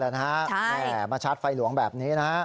กันเลยนะฮะใช่มาชาร์จไฟหลวงแบบนี้นะฮะ